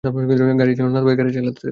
গাড়ি যেন না থামে, গাড়ি চালাতে থাক।